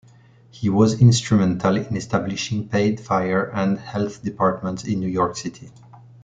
He was instrumental in establishing paid fire and health departments in New York City.